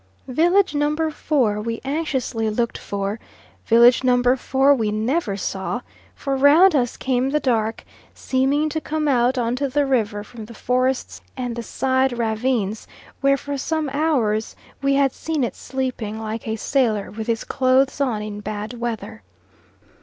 Village number four we anxiously looked for; village number four we never saw; for round us came the dark, seeming to come out on to the river from the forests and the side ravines, where for some hours we had seen it sleeping, like a sailor with his clothes on in bad weather.